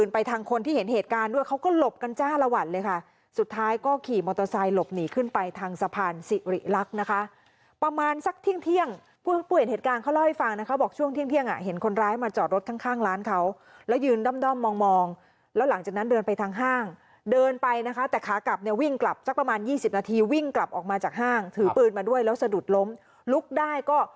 ไปทางสะพานสิริรักนะคะประมาณสักเที่ยงเที่ยงผู้เห็นเหตุการณ์เขาเล่าให้ฟังนะคะบอกช่วงเที่ยงเที่ยงอ่ะเห็นคนร้ายมาจอดรถข้างข้างร้านเขาแล้วยืนด้อมด้อมมองมองแล้วหลังจากนั้นเดินไปทางห้างเดินไปนะคะแต่ขากลับเนี่ยวิ่งกลับสักประมาณยี่สิบนาทีวิ่งกลับออกมาจากห้างถือปืนมาด้วยแล้วสะดุดล้มลุกได้ก็